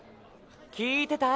聞いてた？